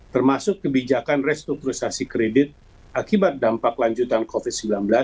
termasuk kebijakan restrukturisasi kredit akibat dampak lanjutan covid sembilan belas